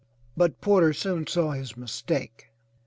But Porter soon saw his mistake.